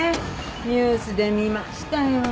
ニュースで見ましたよ。